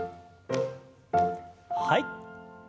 はい。